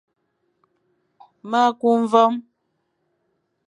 Ma ku mvoom,